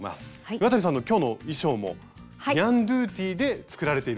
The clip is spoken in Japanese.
岩谷さんの今日の衣装もニャンドゥティで作られているんですよね。